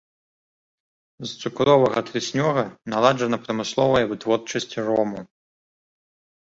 З цукровага трыснёга наладжана прамысловая вытворчасць рому.